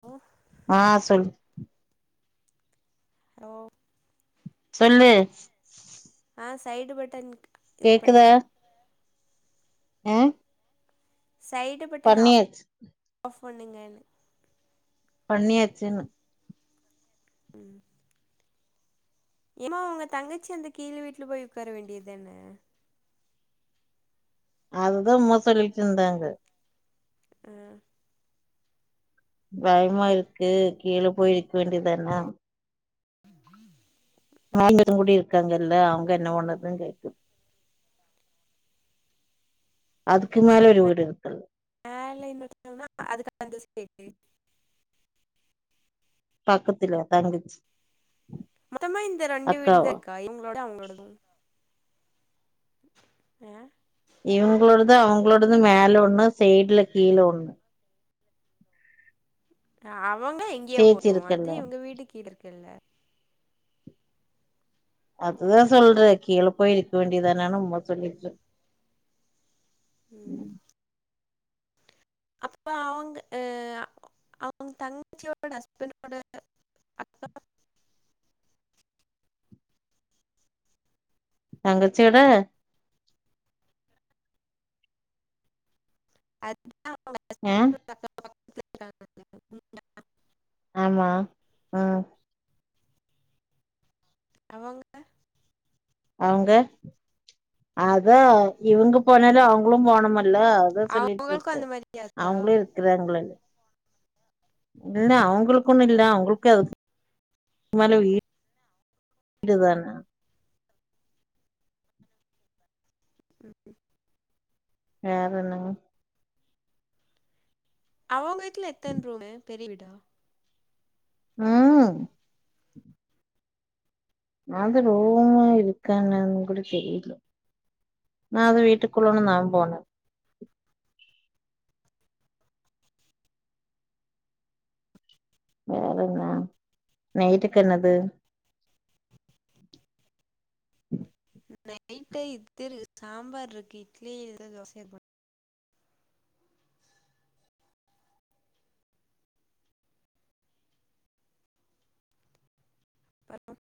ஓ ஆ சொல் ஓ சொல்லு ஆ சைடு பட்டன் இது கேக்குதா பண்ணுங்க ஆ சைடு பட்டன் ஆ பண்ணியாச்சு ஆஃப் பண்ணுங்கனு பண்ணியாச்சுன்னு ம் ஏமா உங்க தங்கச்சி அந்த கீழ் வீட்ல போய் உக்கார வேண்டியதான அதுதா மோ சொல்லிட்டு இருந்தாங்க ஆ பயமா இருக்கு கீழ போயிருக்க வேண்டியதான நா கூடி இருக்காங்கல்ல அவங்க என்ன பண்ணதுனு கேக்கு அதுக்கு மேல ஒரு வீடு இருக்கது [unintelligible] பக்கத்துல தங்கச்சி மொத்தமா இந்த ரெண்டு வீடுதா அக்காவா இருக்கா இவங்களோடது அவங்களோடது அ இவங்களோடது அவங்களோடது மேல ஒண்ணு சைட்ல கீழ ஒண்ணு அவங்க எங்கேயே சேச்சி போட்டு அது இருக்குல்ல இவங்க வீட்டு கிழ இருக்குல்ல அதுதான் சொல்ற கீழ போய் இருக்க வேண்டியதானனு உம்ம சொல்லிட்டு ம் அப்ப அவங்க அ அவங்க தங்கசியோட ஹஸ்பண்டோட அக்கா தங்கச்சியோட அது தா அ [unintelligible] ஆமா அ அவங்க அவுங்க அதா இவங்க போனாலு அவங்களு போனமல்ல அத சொல்லி அவங்களுக்கு க்க அந்த மாரியா இருக்கா அவங்களு இருக்குறாங்களன் இல்ல அவங்களுக்கு ஒன்னு ஓ இல்ல அவங்களுக்கு அதுக் மேல வீ இதுதான ம் ம் வேற என்னங் அவங்க வீட்ல எத்தன ரூமு பெரிய வீடா ம் அது ரூமு இருக்கா என்னனு கூட தெரியல நா அது வீட்டுக்குள்ள ஒன்னு நா போன வேற என்ன நைட்டுக்கு என்னது நைட்டு இது சாம்பார் இருக்கு இட்லி எது தோசைய பழம்